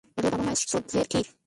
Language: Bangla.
এগুলো বাবা-মায়ের শ্রাদ্ধের ক্ষীর?